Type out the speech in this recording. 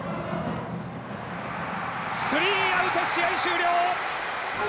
スリーアウト試合終了！